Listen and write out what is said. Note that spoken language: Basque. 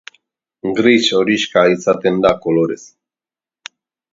Gris horixka izaten da kolorez.